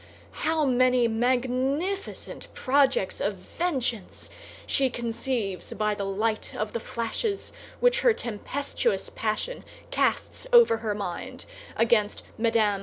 How many magnificent projects of vengeance she conceives by the light of the flashes which her tempestuous passion casts over her mind against Mme.